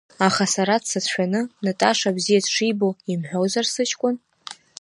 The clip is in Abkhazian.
Аха сара дсыцәшәаны, Наташа бзиа дшибо, имҳәозар, сыҷкәын?